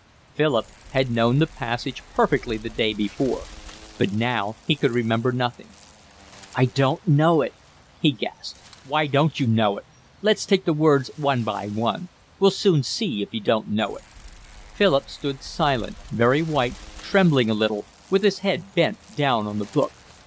Philip had known the passage perfectly the day before, but now he could remember nothing. "I don't know it," he gasped. "Why don't you know it? Let's take the words one by one. We'll soon see if you don't know it." Philip stood silent, very white, trembling a little, with his head bent down on the book.